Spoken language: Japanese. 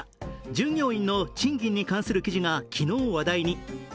従業員の賃金に関する記事が昨日、話題に。